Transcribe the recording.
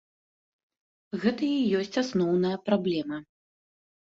Гэта і ёсць асноўная праблема.